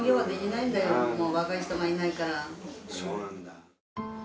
ただそうなんだ